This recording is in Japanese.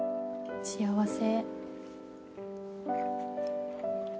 幸せ。